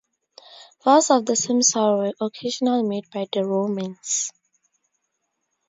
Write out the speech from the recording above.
Vows of the same sort were occasionally made by the Romans.